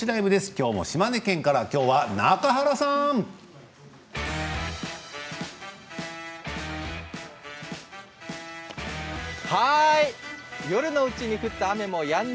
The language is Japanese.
今日も島根県から今日は中原さん。